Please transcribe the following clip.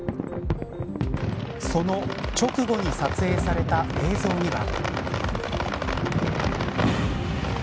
その直後に撮影された映像には。